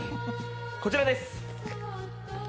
こちらです。